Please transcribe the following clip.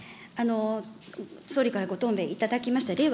総理からご答弁いただきました令和